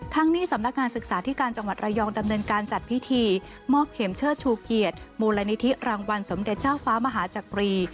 นี้สำนักงานศึกษาธิการจังหวัดระยองดำเนินการจัดพิธีมอบเข็มเชิดชูเกียรติมูลนิธิรางวัลสมเด็จเจ้าฟ้ามหาจักรี